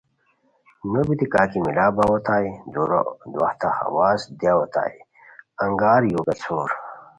نو بیتی کا کی ملال باؤ اوتائے دُورو دواہتہ ہواز دیاؤ اوتائے انگار یو پیڅھور